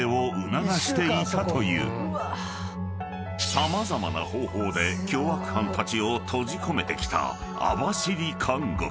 ［様々な方法で凶悪犯たちを閉じ込めてきた網走監獄］